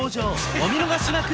お見逃しなく！